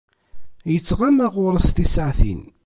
Yettɣama ɣur-s tisaɛtin.